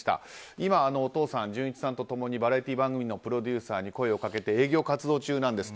今、お父さん、純一さんと共にバラエティー番組のプロデューサーに声をかけて営業活動中なんですと。